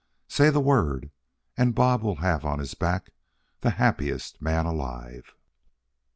Say the word, and Bob will have on his back the happiest man alive."